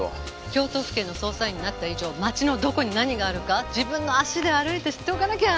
京都府警の捜査員になった以上街のどこに何があるか自分の足で歩いて知っておかなきゃ！